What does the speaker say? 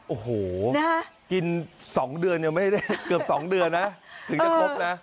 โอ้โหกิน๒เดือนยังไม่ได้เกือบ๒เดือนนะถึงจะครบนะ